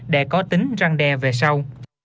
để có tính răng đe về sau